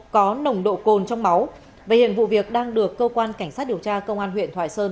có nồng độ cồn trong máu và hiện vụ việc đang được cơ quan cảnh sát điều tra công an huyện thoại sơn